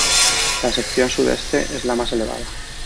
La sección sudeste es la más elevada.